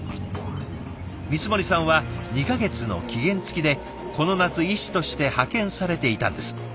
光森さんは２か月の期限付きでこの夏医師として派遣されていたんです。